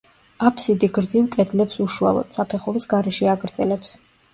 აფსიდი გრძივ კედლებს უშუალოდ, საფეხურის გარეშე აგრძელებს.